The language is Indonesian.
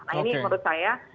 nah ini menurut saya